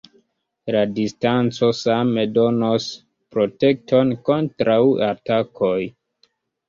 La distanco same donos protekton kontraŭ atakoj.